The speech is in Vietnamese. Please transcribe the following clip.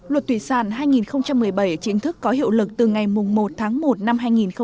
luật thủy sản hai nghìn một mươi bảy chính thức có hiệu lực từ ngày một tháng một năm hai nghìn một mươi chín